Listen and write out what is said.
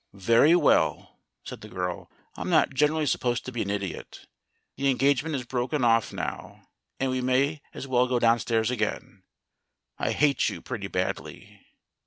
"Very well," said the girl. "I'm not generally sup posed to be an idiot. The engagement is broken off now, and we may as well go downstairs again. I hate you pretty badly."